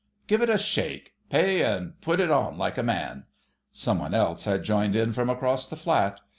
"Give it a shake, Pay, and put it on like a man!" Some one else had joined in from across the flat.